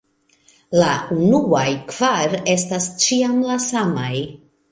La unuaj kvar estas ĉiam la samaj.